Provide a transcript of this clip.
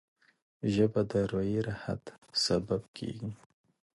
ژبه د اروايي راحت سبب کېږي